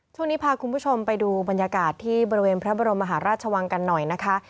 ช่วงนี้พาคุณผู้ชมไปดูบรรยากาศที่บริเวณพระบรมมหาราชวังกันหน่อยนะคะ